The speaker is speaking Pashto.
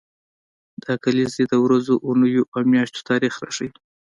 دا کلیزې د ورځو، اونیو او میاشتو تاریخ راښيي.